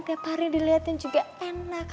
tiap hari dilihatin juga enak